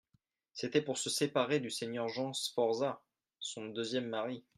C’était pour se séparer du seigneur Jean Sforza, son deuxième mari.